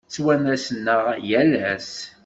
Ttwanasen-aɣ yal ass.